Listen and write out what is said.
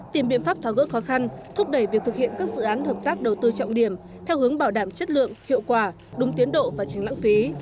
tìm biện pháp tháo gỡ khó khăn thúc đẩy việc thực hiện các dự án hợp tác đầu tư trọng điểm theo hướng bảo đảm chất lượng hiệu quả đúng tiến độ và tránh lãng phí